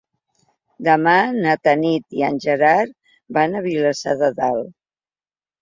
Demà na Tanit i en Gerard van a Vilassar de Dalt.